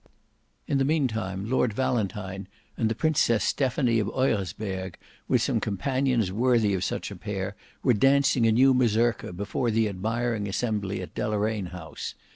In the meantime Lord Valentine and the Princess Stephanie of Eurasberg with some companions worthy of such a pair, were dancing a new Mazurka before the admiring assembly at Deloraine House.